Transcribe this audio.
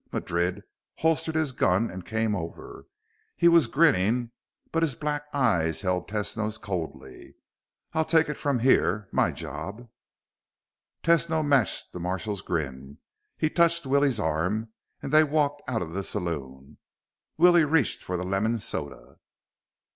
Madrid holstered his gun and came over. He was grinning, but his black eyes held Tesno's coldly. "I'll take it from here. My job." Tesno matched the marshal's grin. He touched Willie's arm and they walked out of the saloon. Willie reached for the lemon soda.